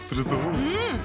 うん！